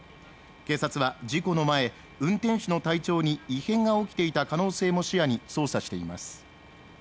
警察は事故の前運転手の体調に異変が起きていた可能性も視野に捜査しています